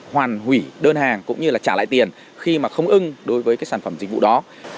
hoàn hủy đơn hàng cũng như là trả lại tiền khi mà không ưng đối với cái sản phẩm dịch vụ đó